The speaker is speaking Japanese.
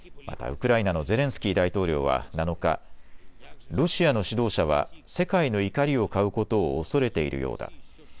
またウクライナのゼレンスキー大統領は７日、ロシアの指導者は世界の怒りを買うことを恐れているようだ。